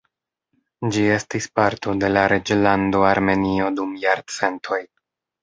Ĝi estis parto de la Reĝlando Armenio dum jarcentoj.